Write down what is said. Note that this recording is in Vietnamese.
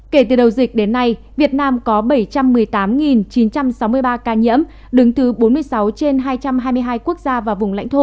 kể từ đầu dịch đến nay việt nam có bảy trăm một mươi tám chín trăm sáu mươi ba ca nhiễm đứng thứ bốn mươi sáu trên hai trăm hai mươi hai quốc gia và vùng lãnh thổ